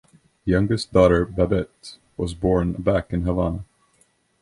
Youngest daughter Babette was born back in Havana.